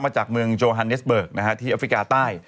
มาจากเมืองโจฮันเนสเบิกที่แอฟริกาใต้